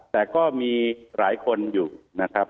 แต่ก็มีหลายคนอยู่นะครับ